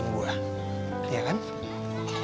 dan itu buat pelajaran juga buat gue